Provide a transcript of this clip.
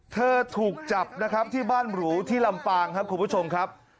เธอถูกจับที่บ้านหรูที่ลำปางครับคุณผู้ชมครับ